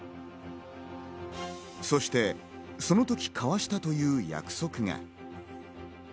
そしてその時交わしたという約束が。